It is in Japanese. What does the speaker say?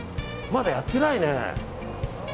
まだやってないね。